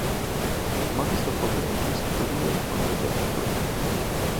مغز د کوپړۍ په مینځ کې په ډیر خوندي ځای کې پروت دی